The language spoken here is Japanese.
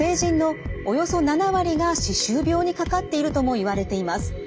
が歯周病にかかっているともいわれています。